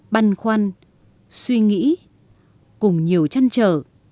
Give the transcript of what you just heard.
băn khoăn suy nghĩ cùng nhiều chăn trở